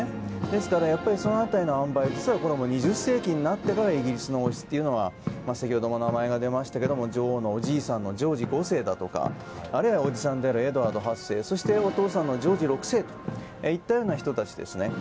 ですから、その辺りのあんばい２０世紀になってからイギリスの王室というのは先程も名前が出ましたが女王のおじいさんのジョージ５世おじさんのエドワード８世そしてお父さんのジョージ６世といった人たちですね。